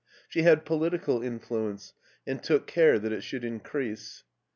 She had political in fluence and took care that it should increase.